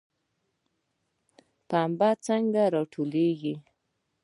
پنبه څنګه راټولیږي؟